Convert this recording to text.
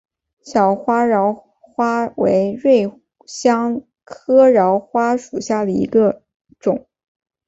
小花荛花为瑞香科荛花属下的一个种。